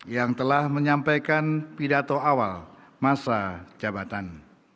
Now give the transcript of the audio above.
yang telah menyampaikan pidato awal masa jabatan